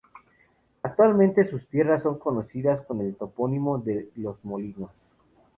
Actualmente sus tierras son conocidas con el topónimo de "Los Molinos".